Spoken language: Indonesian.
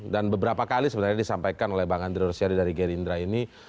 dan beberapa kali sebenarnya disampaikan oleh bang andry orseari dari gerindra ini